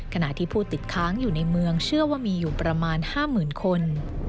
ขณะที่ผู้ติดค้างอยู่ในเมืองเชื่อว่ามีอยู่ประมาณ๕๐๐๐คน